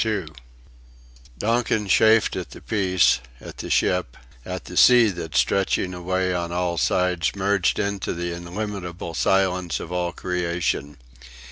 Donkin chafed at the peace at the ship at the sea that stretching away on all sides merged into the illimitable silence of all creation.